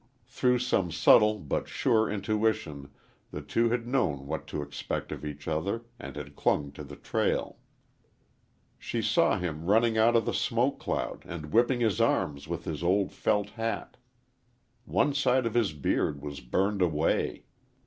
Through some subtle but sure intuition the two had known what to expect of each other and had clung to the trail. She saw him running out of the smoke cloud and whipping his arms with his old felt hat. One side of his beard was burned away.